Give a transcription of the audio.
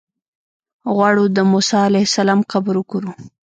غواړو د موسی علیه السلام قبر وګورو.